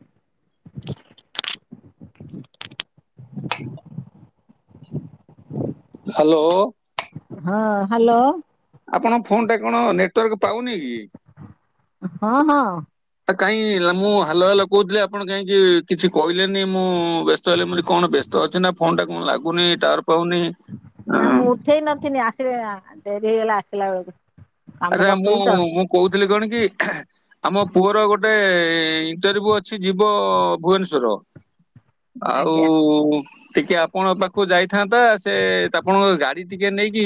[inaudible] Hello. ହଁ hello. ଆପଣଙ୍କ ଫୋନଟା କଣ ନେଟୱାର୍କ ପାଉନି କି? ହଁ ହଁ। ଆ କାଇହିଁ ମୁଁ ହ୍ୟାଲୋ ହ୍ୟାଲୋ କହୁଥିଲି ଆପଣ କାହିଁକି କିଛି କହିଲେନି ମୁଁ ବ୍ୟସ୍ତ ହେଲି। ବୋଲି କଣ ବ୍ୟସ୍ତ ତ ଅଛି ନା ଫୋନ ଟା କଣ ଲାଗୁନି ଟାୱାର ପାଉନି। ନା ଅଁ ମୁଁ ଉଠେଇ ନଥିନି ଆସିଲେ ଡେରି ହେଇଗଲା ଆସିଲା ବେଳକୁ। କାମ ଆରା ମୁଁ, କରୁଥିଲି ତ ମୁଁ କହୁଥିଲି କଣ କି ଆମ ପୁଅର ଗୋଟେ ଇଣ୍ଟରଭ୍ୟୁ ଅଛି ଯିବ ଭୁବନେଶ୍ଵର। ଆଉ ଆଜ୍ଞା। ଟିକେ ଆପ ଆପଣଙ୍କ ପାଖକୁ ଯାଇଥାନ୍ତା ସେ ତା ଆପଣଙ୍କ ଗାଡି ଟିକେ ନେଇକି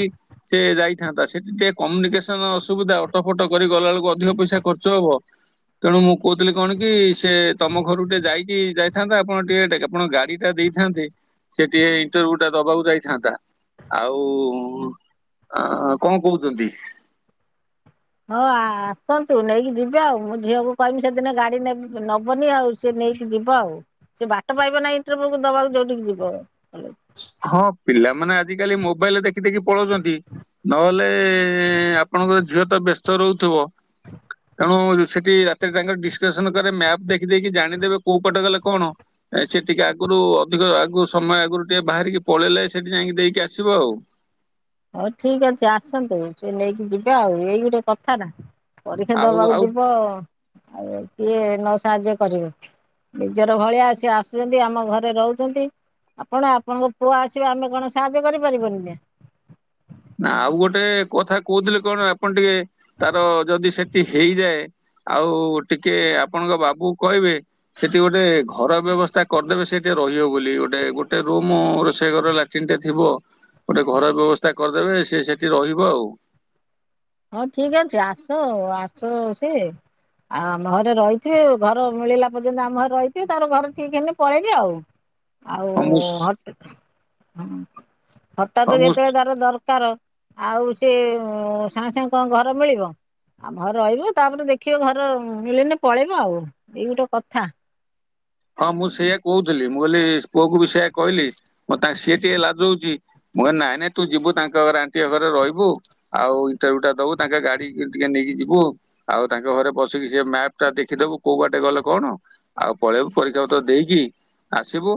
ସେ ଯାଇଥାନ୍ତା। ସେଠି ଟିକେ କମ୍ୟୁନିକେସ କାରଣ ଅସୁବିଧା ଅଟୋ ଫଟ କରି ଗଲାବେଳକୁ ଅଧିକ ପଇସା ଖର୍ଚ୍ଚ ହବ। ତେଣୁ ମୁ କହୁଥିଲି କଣ କି ସେ ତମ ଘରୁଟେ ଯାଇକି ଯାଇ ଥାନ୍ତା। ଆପଣ ଟିକେ ଆପଣ ଗାଡି ଟା ଦେଇଥାନ୍ତେ ସେ ଟିକେ ଇଣ୍ଟରଭ୍ୟୁ ଟା ଦବାକୁ ଯାଇଥାନ୍ତା। ଆଉ ଅ କଣ କହୁଛନ୍ତି? ହଁ ଆ ଆସନ୍ତୁ ନେଇକି ଯିବେ ଆଉ ମୁଁ ଝିଅକୁ କହିବି ସେଦିନ ଗାଡି ନେ ନବନି ଆଉ। ସେ ନେଇକି ଯିବ ଆଉ, ସେ ବାଟ ପାଇବ ନାହି ଇଣ୍ଟରଭ୍ୟୁକୁ ଦବାକୁ ଯୋଉଠିକି ଯିବ। କଲେଜ ହଁ ପିଲାମାନେ ଆଜିକାଲି ମୋବାଇଲରେ ଦେଖି ଦେଖି ପଳଉଛନ୍ତି। ନହେଲେ ଆପଣଙ୍କର ଝିଅ ତ ବ୍ୟସ୍ତ ରହୁଥିବ। [unintelligible] ସେଠି ରାତିରେ ତାଙ୍କର ଡିସକସନ କରେ ମ୍ୟାପ୍ ଦେଖିଦେକି ଜାଣିଦେବେ କୋଉ ପଟେ ଗଲେ କଣ। ସେ ଟିକେ ଆଗରୁ ଅଧିକ ଆଗରୁ ସମୟ ଆଗରୁ ଟିକେ ବାହାରିକି ପଳେଇଲେ ସେଠି ଯାଇକି ଦେଇକି ଆସିବ ଆଉ। ହଉ ଠିକ ଅଛି ଆସନ୍ତୁ ସେ ନେଇକି ଯିବେ ଆଉ ଏଇ ଗୋଟେ କଥାନା। ପରୀକ୍ଷା ଆଉ ଦବାକୁ ଆଉ ଯିବ ଆଉ କିଏ ନ ସାହାଯ୍ୟ କରିବ କି। ନିଜର ଭଳିଆ ସେ ଆସୁଛନ୍ତି ଆମ ଘରେ ରହୁଛନ୍ତି। ଆପଣ ଆପଣଙ୍କ ପୁଅ ଆସିବେ ଆମେ କଣ ସାହାଯ୍ୟ କରିପାରିଵୁନି ଯେ ନା ଆଉ ଗୋଟେ କଥା କହୁଥିଲେ କଣ ଆପଣ ଟିକେ ତାର ଯଦି ସେଠି ହେଇଯାଏ ଆଉ ଟିକେ ଆପଣଙ୍କ ବାବୁକୁ କହିବେ ସେଠି ଗୋଟେ ଘର ବ୍ୟବସ୍ଥା କରିଦେବେ ସେ ଟିକେ ରଇବ ବୋଲି, ଗୋଟେ ଗୋଟେ ରୁମୁ ରୋଷେଇ ଘର ଲାଟିନ୍ ଟା ଥିବ ଗୋଟେ ଘର ବ୍ୟବସ୍ଥା କରିଦେଲେ ସିଏ ସେଠି ରହିବ ଆଉ। ହଁ ଠିକ ଅଛି। ଆସ ଆସୁ ସିଏ ଆଉ ଆମ ଘରେ ରହିଥିବେ ଘର ମିଳିଲା ପର୍ଯ୍ୟନ୍ତ ଆମ ଘରେ ରହିଥିବେ ତାପରେ ଘରେ ଠିକ୍ ହେଲେ ପଳେଇବେ ଆଉ। ଆଉ ହଁ [unintelligible] ମୁଁ ହଁ ହଁ ହଠାତ ମୁଁ ଯେତେବେଳେ ତାର ଦରକାର ଆଉ ସେ ସାଙ୍ଗେ ସାଙ୍ଗେ କଣ ଘର ମିଳିବ? ଆମ ଘରେ ରହିବ ତାପରେ ଦେଖିବ ଘର ମିଳିଲେ ପଳେଇବ, ଆଉ ଏଇ ଗୋଟେ କଥା। ହଁ ମୁଁ ସେଇୟା କହୁଥିଲି ମୁଁ କହିଲି ପୁଅକୁ ବି ସେଇୟା କହିଲି ମ ସିଏ ଟିକେ ଲାଜଉଛି ମୁଁ କହିଲି ନାଇଁ ନାଇଁ ତୁ ଯିବୁ ତାଙ୍କ ଘରେ ଆଣ୍ଟିିଙ୍କ ଘରେ ରହିବୁ ଆଉ ଇଣ୍ଟରଭ୍ୟୁ ଟା ଦବୁ ତାଙ୍କ ଗାଡ଼ି କି ଟିକେ ନେଇକି ଯିବୁ। ଆଉ ତାଙ୍କ ଘରେ ବସିକି ସେ ମ୍ୟାପ୍ ଟା ଦେଖିଦବୁ କୋଉ ବାଟେ ଗଲେ କଣ ଆଉ ପଳେଇବୁ। ପରୀକ୍ଷା ପତ୍ର ଦେଇକି ଆସିବୁ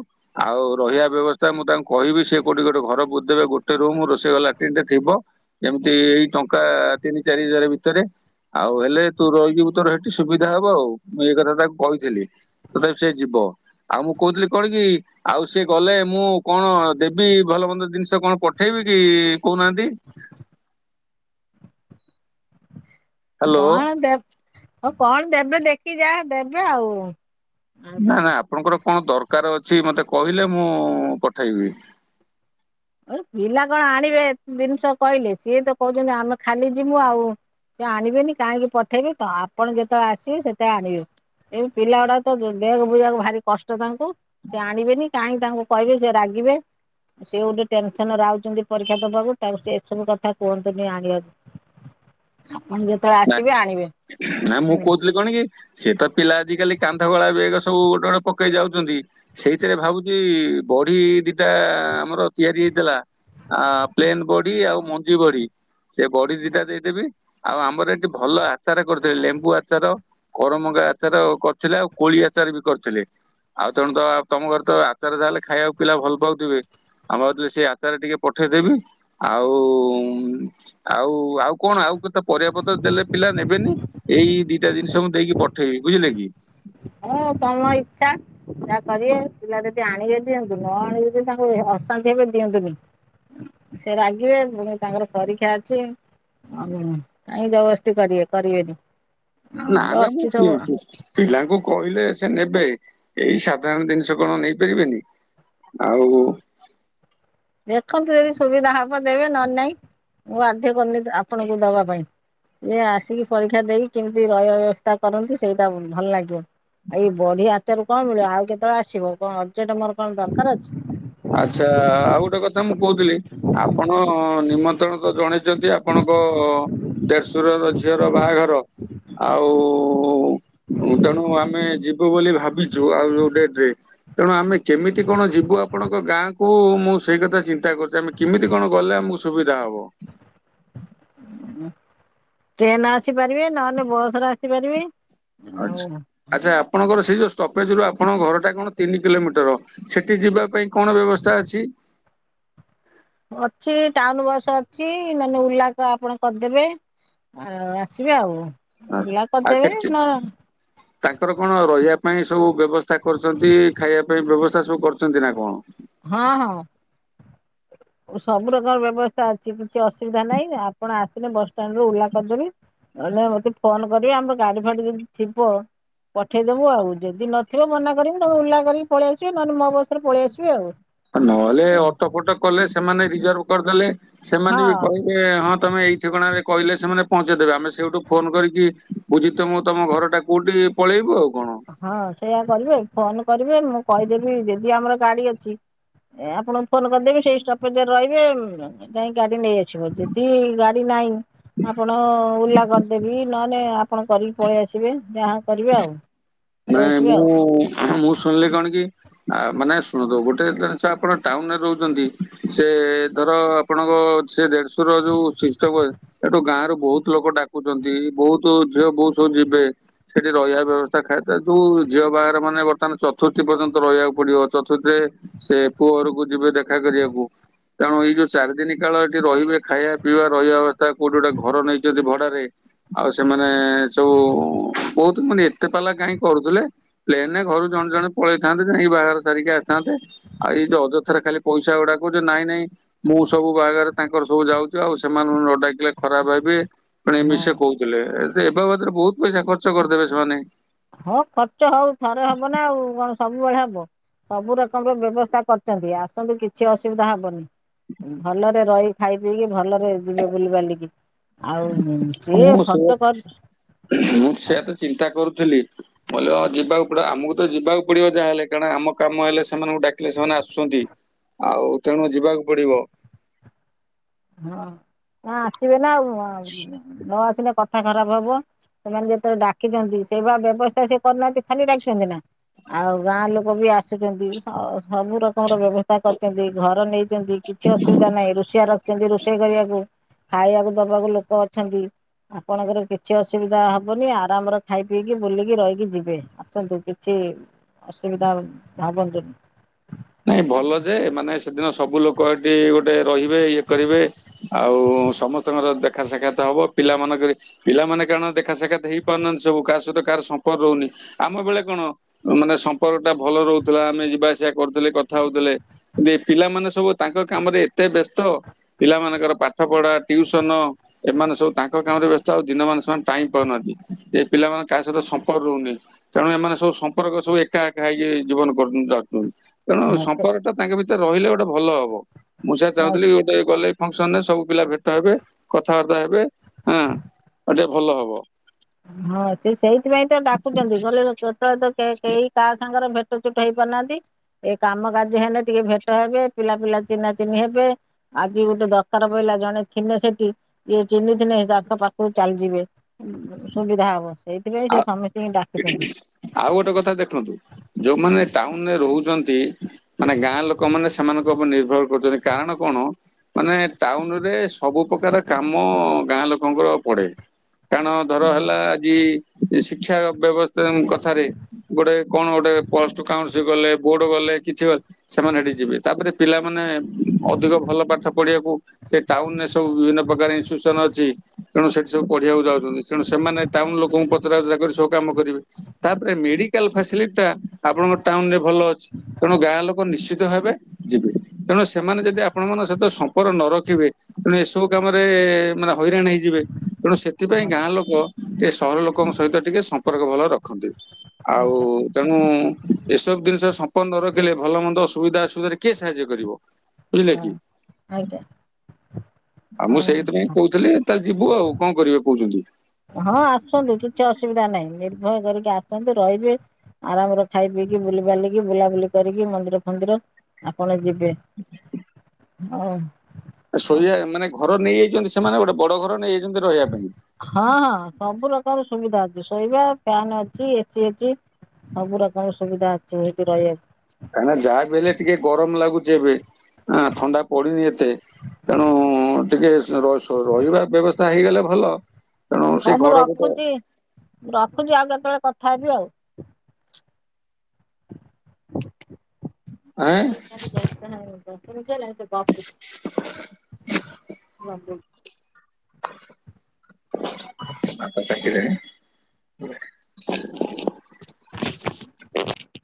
ଆଉ ରହିବା ବ୍ୟବସ୍ଥା ମୁଁ ତାଙ୍କୁ କହିବି ସିଏ କୋଉଠି ଗୋଟେ ଘର ବୁଝ୍ ଦେବେ ଗୋଟେ ରୁମ ରୋଷେଇ ଘର ଲାଟିନ୍ ଟେ ଥିବ। ଯେମିତି ଏଇ ଟଙ୍କା ତିନି ଚାରି ହଜାର ଭିତରେ ଆଉ ହେଲେ ତୁ ରହିଯିବୁ ତୋର ହେଠି ସୁବିଧା ହବ ଆଉ, ମୁଁ ଏଇ କଥା ତାକୁ କହିଥିଲି। ତଥାପି ସେ ଯିବ, ଆଉ ମୁଁ କହୁଥିଲି କଣ କି? ଆଉ ସିଏ ଗଲେ ମୁଁ କଣ ଦେବି ଭଲ ମନ୍ଦ ଜିନିଷ କଣ ପଠେଇବି କି କହୁନାହାନ୍ତି? ହ୍ୟାଲୋ କଣ ଦେ ହଉ କଣ ଦେବେ ଦେଖି ଯାହା ଦେବେ ଆଉ। ନା ନା ଆପଣଙ୍କର କଣ ଦରକାର ଅଛି ମତେ କହିଲେ ମୁଁ ପଠେଇବି। ଏ ପିଲା କଣ ଆଣିବେ ଏତ୍ ଜିନିଷ କହିଲେ, ସିଏ ତ କହୁଛନ୍ତି ଆମେ ଖାଲି ଯିବୁ ଆଉ ସେ ଆଣିବେନି କାହିଁକି ପଠେଇବେ ତ ଆପଣ ଯେତେବେଳେ ଆସିବେ ସେତେବେଳେ ଆଣିବେ। ଏଇ ପିଲା ଗୁଡ଼ାକ ତ [unintelligible] କୁ ଭାରି କଷ୍ଟ ତାଙ୍କୁ ସେ ଆଣିବେନି କାହିଁକି ତାଙ୍କୁ କହିବେ ସେ ରାଗିବେ ସେ ଗୋଟେ ଟେନସନରେ ଆଉଛନ୍ତି ପରୀକ୍ଷା ଦବାକୁ ତା ସେ ଏସବୁ କଥା କୁହନ୍ତୁନି ଆଣିବାକୁ ଆପଣ ଯେ ନା ନା ମୁଁ କହୁଥିଲି କଣ କି ସିଏ ତ ପିଲା ଆଜିକାଲି କାନ୍ଧ ଗଳା ବେଗ୍ ସବୁ ଗୋଟେ ଗୋଟେ ପକେଇ ଯାଉଛନ୍ତି ସେଇଥିରେ ଭାବୁଛି ବଢ଼ି ଦିଟା ଆମର ତିଆରି ହେଇଥିଲା ଆ ପ୍ଲେନ ବଡ଼ି ଆଉ ମଞ୍ଜି ବଡ଼ି, ସେ ବଡ଼ି ଦିଟା ଦେଇଦେବି ଆଉ ଆମର ଏଠି ଭଲ ଆଚାର କରୁଥିଲେ ଲେମ୍ବୁ ଆଚାର କରମଙ୍ଗା ଆଚାର ଆଉ କରିଥିଲେ ଆଉ କୋଳି ଆଚାର ବି କରିଥିଲେ। ଆଉ ତେଣୁ ତ ତମ ଘରେ ତ ଆଚାର ଯା ହେଲେ ଖାଇବାକୁ ପିଲା ଭଲ ପାଉଥିବେ ଆମ କତିରୁ ସେଇ ଆଚାର ଟିକେ ପଠେଇଦେବି ଆଉ ଆଉ ଆଉ କଣ ଆଉ କେତେ ପରିବା ପ- ତ ଦେଲେ ପିଲା ନେବେନି ଏଇ ଦିଟା ଜିନିଷ ମୁଁ ଦେଇକି ପଠେଇବି ବୁଝିଲେ କି ହଁ ତମ ଇଛା। ଯା କରିବେ, ପିଲା ଯଦି ଆଣିବେ ଦିଅନ୍ତୁ ନ ଆଣିବେ ଯଦି ତାଙ୍କୁ ଅଶାନ୍ତି ହେବେ ଦିଅନ୍ତୁନି। ସେ ରାଗିବେ ପୁଣି ତାଙ୍କର ପରୀକ୍ଷା ଅଛି। ଉ କାହିଁ ଜବରଦସ୍ତି କରିବେ କରିବେନି। ନା ଆମର ନା ମୁଁ ଅଛି ସବୁ [unintelligible] ପିଲାଙ୍କୁ କହିଲେ ସେ ନେବେ, ଏଇ ସାଧାରଣ ଜିନିଷ କଣ ନେଇପାରିବେନି? ଆଉ ଦେଖନ୍ତୁ ଯଦି ସୁବିଧା ହବ ଦେବେ ନହେଲେ ନାଇଁ ମୁଁ ବାଧ୍ୟ କରୁନି ଆପଣଙ୍କୁ ଦବା ପାଇଁ। ଇ ଆସିକି ପରୀକ୍ଷା ଦେଇକି କେମିତି ରହିବା ବ୍ୟବସ୍ଥା କରନ୍ତୁ ସେଇଟା ଭଲ ଲାଗିବ। ଆଉ ବଢି ଆଚାର କଣ ମିଳିବ ଆଉ କେତେବେଳେ ଆସିବ କଣ ଅର୍ଜେଣ୍ଟ ମର କଣ ଦରକାର ଅଛି। ଆଚ୍ଛା ଆଉ ଗୋଟେ କଥା ମୁଁ କହୁଥିଲି ଆପଣ ନିମନ୍ତ୍ରଣ ତ ଜଣେ ଯଦି ଆପଣଙ୍କ ଦେଢଶୁର ର ଝିଅର ବାହାଘର ଆଉ ଉ ତେଣୁ ଆମେ ଯିବୁ ବୋଲି ଭାବିଛୁ ଆଉ ଯୋଉ ଡେଟ୍ ରେ ତେଣୁ ଆମେ କେମିତି କଣ ଯିବୁ ଆ ପଣଙ୍କ ଗାଁ କୁ ମୁଁ ସେଇ କଥା ଚିନ୍ତା କରୁଛି ଆମେ କେମିତି କଣ ଗଲେ ଆମକୁ ସୁବିଧା ହବ? ଟ୍ରେନ୍ ରେ ଆସିପାରିବେ ନହେଲେ ବସ୍ ରେ ଆସିପାରିବେ। ଆଛା ଆଉ ଆଚ୍ଛା ଆପଣଙ୍କର ସେଇ ଯୋଉ ଷ୍ଟପେଜ ରୁ ଆପଣଙ୍କ ଘରଟା କଣ ତିନି କିଲୋମିଟର? ସେଠି ଯିବା ପାଇଁ କଣ ବ୍ୟବସ୍ଥା ଅଛି? ଅଛି ଟାଉନ ବସ୍ ଅଛି ନହେଲେ ଓଲା ଆ ଆପଣ କରିଦେବେ। ଆ ଆସିବେ ଓଲା ଆଉ କରିଦେବେ ସେଠି ନ ତାଙ୍କର କଣ ରହିବା ପାଇଁ ସବୁ ବ୍ୟବସ୍ଥା କରୁଛନ୍ତି ଖାଇବା ପାଇଁ ବ୍ୟବସ୍ଥା ସବୁ କରୁଛନ୍ତି ନା କଣ? ହଁ ହଁ। ସବୁ ରକର ବ୍ୟବସ୍ଥା ଅଛି କିଛି ଅସୁବିଧା ନାହିଁ ଆପଣ ଆସିଲେ ବସଷ୍ଟାଣ୍ଡୁ ଓହ୍ଲା କରିଦେବି। ନହେଲେ ମତେ ଫୋନ କରିବେ ଆମର ଗାଡି ଫାଡି ଯଦି ଥିବ ପଠେଇଦବୁ ଆଉ ଯଦି ନଥିବ ମନା କରିବୁ ନହେ ଉଲ୍ଲା କରିକି ପଳେଇ ଆସିବେ ନହଲେ ମୋ ବସରେ ପଳେଇ ଆସିବ। କି ଆଉ। ନହେଲେ ଅଟୋ ଫଟୋ କଲେ ସେମାନେ ରିଜର୍ଭ କରିଦେଲେ ସେମାନେ ବି ହଁ କହେ ହଁ ତମେ ଏଇ ଠିକଣାରେ କହିଲେ ସେମାନେ ପହଞ୍ଚେଇଦେବେ ଆମେ ସେଇଠୁ ଫୋନ କରିକି ବୁଝି ତ ମୁଁ ତମ ଘର ଟା କୋଉଠି ପଳେଇବୁ ଆଉ କଣ? ହଁ ସେଇୟା କରିବେ ଫୋନ କରିବେ ମୁଁ କହିଦେବି ଯଦି ଆମର ଗାଡି ଅଛି ଏ ଆପଣଙ୍କୁ ଫୋନ କରିଦେବି ସେଇ ଷ୍ଟପେଜେରେ ରହିବେ ଗାଡି ନେଇଆସିବ ଯଦି ଗାଡି ନାଇଁ ଆପଣ ଓଲ୍ଲା କରିଦେବି ନହଲେ ଆପଣ କରିକି ପଳେଇ ଆସିବେ ଯାହା କରିବେ ଆଉ। ପଳେଇ ନାଇଁ ଆସିବେ ଆଉ ମୁଁ ମୁଁ ଶୁଣିଲି କଣ କି ଆ ମାନେ ଶୁଣନ୍ତୁ ଗୋଟେ ଜିନିଷ ଆପଣ ଟାଉନରେ ରହୁଛନ୍ତି ସେ ଧର ଆପଣଙ୍କ ସେ ଦେଢ଼ଶୁର ର ଯୋଉ ସିଷ୍ଟମ ଅ ସେଠୁ ଗାଁ ରୁ ବହୁତ ଲୋକ ଡାକୁଛନ୍ତି ବହୁତ ଝିଅ ବହୁତ ସବୁ ଯିବେ ସେଠି ରହିବା ବ୍ୟବସ୍ଥା ଖାଇଥାଏ ଯୋଉ ଝିଅ ବାହାଘର ମାନେ ବର୍ତ୍ତମାନ ଚତୁର୍ଥୀ ପର୍ଯ୍ୟନ୍ତ ରହିବାକୁ ପଡିବ। ସେ ପୁଅ ଘରକୁ ଯିବେ ଦେଖା କରିବାକୁ ତେଣୁ ଏଇ ଯୋଉ ଚାରିଦିନ କାଳ ଏଠି ରହିବେ ଖାଇବା ପିଇବା ରହିବା ଅବସ୍ଥା କୋଉଠି ଗୋଟେ ଘର ନେଇଛନ୍ତି ଭଡାରେ। ଆଉ ସେମାନେ ସବୁ ବହୁତ ମାନେ ଏତେ ପାଲା କାହିଁକି କରୁଥିଲେ ପ୍ଲେନେ ଘରୁ ଜଣେ ଜଣେ ପଳେଇଥାନ୍ତେ ଯାଇକି ବାହାଘର ସାରିକି ଆସିଥାନ୍ତେ। ଆଉ ଏଇ ଯଉ ଅଯଥାରେ ଖଲି ପଇସା ଗୁଡାକୁ ନାଇଁ ନାଇଁ ମୁଁ ସବୁ ବାହାରେ ତାଙ୍କର ସବୁ ଯାଉଛି ଆଉ ସେମାନଙ୍କୁ ନ ଡାକିଲେ ଖରାପ ଭାବିବେ। ପ ଏ ହଁ ମିଶ କହୁଥିଲେ ଏ ବାବଦରେ ବହୁତ ପଇସା ଖର୍ଚ୍ଚ କରିଦେବେ ସେମାନେ। ହଁ ଖର୍ଚ୍ଚ ହଉ ଥରେ ହବ ନା ଆଉ କଣ ସବୁବେଳେ ହବ। ସବୁ ରକମର ବ୍ୟବସ୍ଥା କରିଛନ୍ତି ଆସନ୍ତୁ କିଛି ଅସୁବିଧା ହବନି। ଭଲରେ ରହି ଖାଇ ପିଇକି ଭଲରେ ଯିବେ ବୁଲି ବାଲିକୀ। ଆଉ ସିଏ ମୁଁ ସେ ଖର୍ଚ୍ଚ କରି ଚିନ୍ତା କରୁଥିଲି କହିଲ ଯିବାକୁ ପଡିବ ଆମକୁ ତ ଯିବାକୁ ପଡିବ ଯାହା ହେଲେ କାରଣ ଆମ କାମ ହେଲେ ସେମାନଙ୍କୁ ଡାକିଲେ ସେମାନେ ଆସୁଛନ୍ତି। ଆଉ ତେଣୁ ଯିବାକୁ ପଡିବ। ହଁ ନା ଆସିବେ ନା ନ ଆସିଲେ କ ଥା ଖରାପ ହବ ସେମାନେ ଯେତେବେଳେ ଡାକିଛନ୍ତି ସେଇ ବା ବ୍ୟବସ୍ଥା ସେ କରିନାହାନ୍ତି ଖାଲି ଡାକିଛନ୍ତି ନା ଆଉ ଗାଁ ଲୋକ ବି ଆସୁଛନ୍ତି ସବୁ ର ର ବ୍ୟବସ୍ଥା କରିଛନ୍ତି ଘର ନେଇଛନ୍ତି କିଛି ଅସୁବିଧା ନାହିଁ ରୋଷେଇଆ ରଖିଛନ୍ତି ରୋଷେଇ କରିବାକୁ। ଖାଇବାକୁ ଦବାକୁ ଲୋକ ଅଛନ୍ତି। ଆପଣଙ୍କର କିଛି ଅସୁବିଧା ହବନି ଆରାମରେ ଖାଇ ପିଇକି ବୁଲିକି ରହିକି ଯିବେ। ଆସନ୍ତୁ କିଛି ଅସୁବିଧା ଭାବନ୍ତୁନି। ନାଇଁ ଭଲ ଯେ ମାନେ ସେ ଦିନ ସବୁ ଲୋକ ଏଠି ଗୋଟେ ରହିବେ ଇଏ କରିବେ। ଆଉ ସମସ୍ତଙ୍କର ଦେଖା ସାକ୍ଷାତ ହବ ପିଲା ମାନଙ୍କରି ପିଲାମାନେ କାରଣ ଦେଖା ସାକ୍ଷାତ ହେଇ ପାରୁନାହାନ୍ତି ସବୁ କାହା ସହିତ କାହାର ସମ୍ପର୍କ ରହୁନି ଆମ ବେଳେ କଣ ମାନେ ସମ୍ପର୍କ ଟା ଭଲ ରହୁଥିଲା ଆମେ ଯିବା ଆସିବା କରୁଥିଲେ କଥା ହଉଥିଲେ ପିଲାମାନେ ସବୁ ତାଙ୍କ କାମରେ ଏତେ ବ୍ୟସ୍ତ ପିଲାମାନଙ୍କର ପାଠ ପଢା ଟିଉସନ ଏମାନେ ସବୁ ତାଙ୍କ କାମ ରେ ବ୍ୟସ୍ତ ଆଉ ଦିନ ମାନ ସେମାନେ ଟାଇମ ପାଉନାହାନ୍ତି ଏ ପିଲାମାନଙ୍କ କାହା ସହିତ ସମ୍ପର୍କ ରହୁନି। ତେଣୁ ଏମାନେ ସବୁ ସମ୍ପର୍କ ସବୁ ଏକା ଏକା ହେଇକି ଜୀବନ କରୁ ଯାଉଛନ୍ତି। ତେଣୁ ସମ୍ପର୍କ ଟା ତାଙ୍କ ଭିତରେ ରହିଲେ ଗୋଟେ ଭଲ ହବ ମୁଁ ସେ ଚାହୁଁଥିଲି ଗୋଟେ ଗଲେ ଫଙ୍କସନ ରେ ସବୁ ପିଲା ଭେଟ ହେବେ କଥାବାର୍ତ୍ତା ହେବେ ହଁ ଏ ଟେ ଭଲ ହବ। ହଁ ସେ ସେଇଥିପାଇଁ ତ ଡାକୁଛନ୍ତି ଗଲେ କେତେବେଳେ ତ କେହି କାହା ସାଙ୍ଗରେ ଭେଟ ଛୋଟ ଛୋଟ ହେଇ ପାରୁନାହାନ୍ତି ଏ କାମ କାର୍ୟ୍ଯ ହେଲେ ଟିକେ ଭେଟ ହେବେ ପିଲା ପିଲା ଚିହ୍ନା ଚିନି ହେବେ ଆଜି ଗୋଟେ ଦରକାର ପହିଲା ଜଣେ ଚିହ୍ନି ଥିଲେ ସେଠି ସିଏ ଚିହ୍ନିଥିଲେ ତାଙ୍କ ପାଖରୁ ଚାଲିଯିବେ ସୁବିଧା ହବ ସେଇଥିପାଇଁ ସେ ଆଉ ସମସ୍ତିଙ୍କି ଡାକିଛନ୍ତି। ଆଉ ଗୋଟେ କଥା ଦେଖନ୍ତୁ ଯୋଉମାନେ ଟାଉନ ରେ ରହୁଛନ୍ତି ମାନେ ଗାଁ ଲୋକ ମାନ ସେମାନଙ୍କ ଉପରେ ନିର୍ଭର କରୁଛନ୍ତି କାରଣ କଣ ମାନେ ଟାଉନ ରେ ସବୁ ପ୍ରକାର କାମ ଗାଁ ଲୋକଙ୍କର ପଡେ କାରଣ ଧର ଆଜ୍ଞା ହେଲା ଆଜି ଶିକ୍ଷା ବ୍ୟବସ୍ଥା କଥାରେ ଗୋଟେ କଣ ଗୋଟେ ପ୍ଲସ ଟୁ କାଉ ଗଲେ ବୋର୍ଡ ଗଲେ କିଛି ଗଲେ ସେମାନେ ସେଠି ଯିବେ ତାପରେ ପିଲାମାନେ ଅଧିକ ଭଲ ପାଠ ପଢିବାକୁ ସେ ଟାଉନ ରେ ସବୁ ବିଭିନ୍ନ ପ୍ରକାର ଇନ୍ସୁସନ ଅଛି ତେଣୁ ସେଠି ସବୁ ପଢିବାକୁ ଯାଉଛନ୍ତି ତେଣୁ ସେମାନେ ଟାଉନ ଲୋକଙ୍କୁ ତ କରି ସବୁ କାମ କରିବେ ତାପରେ ମେଡିକାଲ ଫାସିଲିଟି ଟା ଆପଣଙ୍କ ଟାଉନ ରେ ଭଲ ଅଛି ତେଣୁ ଗାଁ ଲୋକ ନିଶ୍ଚିତ ଭାବେ ଯିବେ ତେଣୁ ସେମାନେ ଯଦି ଆପଣ ମନଙ୍କ ସହିତ ସମ୍ପର୍କ ନ ରଖିବେ ତେଣୁ ଏସବୁ କାମରେ ମାନେ ହଇରାଣ ହେଇଯିବେ ତେଣୁ ସେ ଥିପାଇଁ ଗାଁ ଲୋକ ଟେ ସହର ଲୋକଙ୍କ ସହିତ ଟିକେ ସମ୍ପର୍କ ଭଲ ରଖନ୍ତି ଆଉ। ତେଣୁ ଏସବୁ ଜିନିଷ ସମ୍ପନ୍ନ ନ ରଖିଲେ ଭଲ ମନ୍ଦ ଅସୁବିଧା ଅସୁବିଧାରେ କିଏ ସାହାଯ୍ୟ କରିବ। ବୁଝିଲେ କି ଆଉ ମୁଁ ସେଇଥିପାଇଁ କହୁଥିଲି ତାହେଲେ ଯିବୁ ଆଉ କଣ କରିବେ କହୁଛନ୍ତି। ହଁ ଆସନ୍ତୁ କିଛି ଅସୁବିଧା ନାହିଁ ନିର୍ଭୟ କରିକି ଆସନ୍ତୁ ରହିବେ। ଆରାମରେ ଖାଇ ପିଇକି ବୁଲି ବାଲିକି ବୁଲାବୁଲି କରିକି ମନ୍ଦିର ଫନ୍ଦିର ଆପଣ ଯି ବେ ହଁ। ହଁ ଶୋଇବା ମାନେ ଘର ନେଇଯାଇଛନ୍ତି ସେମାନେ ଗୋଟେ ବଡ ଘର ନେଇଯାଇଛନ୍ତି ରହିବା ପାଇଁ? ହଁ ହଁ ସବୁ ପ୍ରକାର ସୁବିଧା ଅଛି ଶୋଇବା ଫ୍ୟାନ ଅଛି ଏସି ଅଛି। ସବୁ ରକମର ସୁବିଧା ଅଛି ହେଇଟି ରହିଆକୁ। କାଇଁନା ଯାହାବି ହେଲେ ଟିକେ ଗରମ ଲାଗୁଚି ଏବେ ଆଁ ଥଣ୍ଡା ପଡିନି ଏତେ। ତେଣୁ ଟିକେ ଶୋ ର ଶୋ ରହିବା ବ୍ୟବସ୍ଥା ହେଇଗଲେ ଭଲ। ତେଣୁ ସେ ଘର ଗୁଟେ ଅଛି। ମୁ ରଖୁଚି ଆଉ କେତବେଳେ କଥା ହେବି ଆଉ। [unintelligible] ଦଶ ଆଁ ମିଣ୍ଟି ହେଲାଣି ସେ ଗପୁଛି ରଖ୍ ଦଉ ହାତ ଚାଟିଲେଣି।